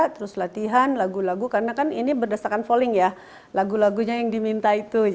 terus latihan lagu lagu karena kan ini berdasarkan polling ya lagu lagunya yang diminta itu